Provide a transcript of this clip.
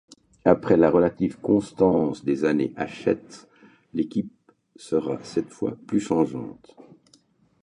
Après la relative constance des années Hachette, l'équipe sera cette fois plus changeante.